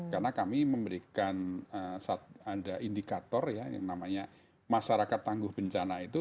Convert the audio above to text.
karena kami memberikan ada indikator ya yang namanya masyarakat tangguh bencana itu